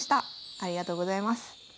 ありがとうございます。